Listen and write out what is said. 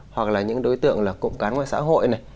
hoặc là những đối tượng là cụm cán ngoài xã hội này